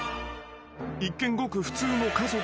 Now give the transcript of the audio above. ［一見ごく普通の家族だが］